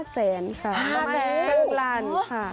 ๕แสน